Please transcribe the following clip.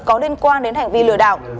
có liên quan đến hành vi lừa đảo